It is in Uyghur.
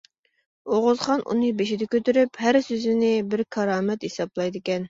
ئوغۇزخان ئۇنى بېشىدا كۆتۈرۈپ، ھەر سۆزىنى بىر كارامەت ھېسابلايدىكەن.